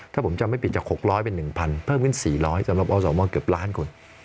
ถ้าผมจำไม่ผิดจาก๖๐๐เป็น๑๐๐เพิ่มขึ้น๔๐๐สำหรับอสมเกือบล้านคน